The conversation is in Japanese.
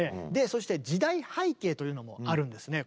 そして時代背景というのもあるんですね